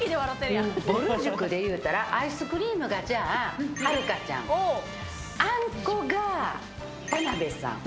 ぼる塾で言うたらアイスクリームがはるかちゃん、あんこが田辺さん。